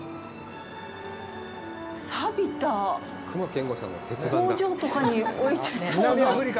さびた、工場とかに置いてそうな。